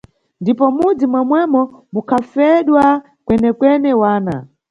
Ndipo m`mudzi momwemo mukhafedwa kwene-kwene wana.